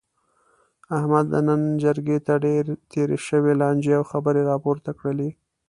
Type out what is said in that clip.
احمد د نن جرګې ته ډېرې تېرې شوې لانجې او خبرې را پورته کړلې.